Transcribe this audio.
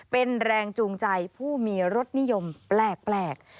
เป็นแรงจูงใจผู้มีรสนิยมแปลก